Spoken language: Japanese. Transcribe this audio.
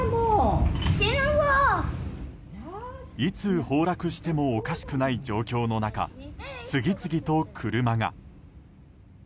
いつ崩落してもおかしくない状況の中次々と車が。